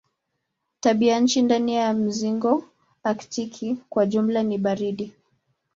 Tabianchi ndani ya mzingo aktiki kwa jumla ni baridi.